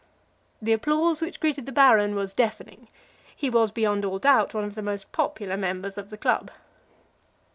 The applause which greeted the Baron was deafening. He was, beyond all doubt, one of the most popular members of the club.